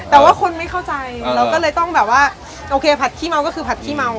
แต่ว่าคนไม่เข้าใจเราก็เลยต้องแบบว่าโอเคผัดขี้เมาก็คือผัดขี้เมา